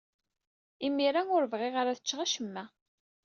Imir-a, ur bɣiɣ ad cceɣ acemma.